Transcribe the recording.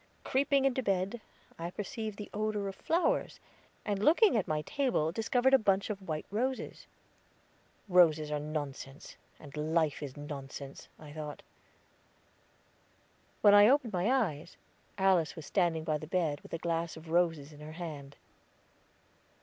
Creeping into bed, I perceived the odor of flowers, and looking at my table discovered a bunch of white roses. "Roses are nonsense, and life is nonsense," I thought. When I opened my eyes, Alice was standing by the bed, with a glass of roses in her hand.